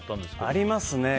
ありますね。